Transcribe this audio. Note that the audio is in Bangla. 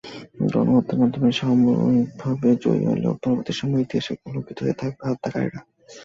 গণহত্যার মাধ্যমে সাময়িকভাবে জয়ী হলেও পরবর্তী সময়ে ইতিহাসে কলঙ্কিত হয়ে থাকবে হত্যাকারীরা।